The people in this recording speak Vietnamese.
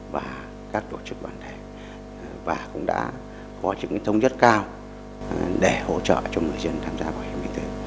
và các tổ chức đoàn thể và cũng đã có những thông nhất cao để hỗ trợ cho người dân tham gia bảo hiểm y tế